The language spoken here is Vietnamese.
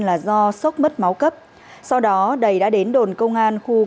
là do sốc mất máu cấp sau đó đầy đã đến đồn công an khu công nghiệp hòa phú để đầu thú